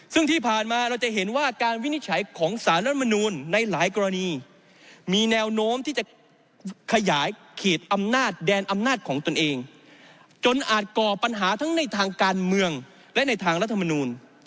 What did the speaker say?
ซึ่งที่ผ่านมาเราจะเห็นว่าการวินิจฉัยของสารรัฐมนูลในหลายกรณีมีแนวโน้มที่จะขยายเขตอำนาจแดนอำนาจของตนเองจนอาจก่อปัญหาทั้งในทางการเมืองและในทางรัฐมนูล